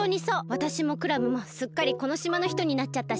わたしもクラムもすっかりこのしまのひとになっちゃったし。